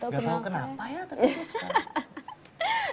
gak tau kenapa ya tapi gue suka